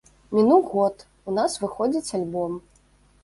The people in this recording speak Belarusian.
Мінуў год, у нас выходзіць альбом.